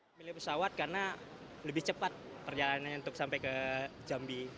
memilih pesawat karena lebih cepat perjalanannya untuk sampai ke jambi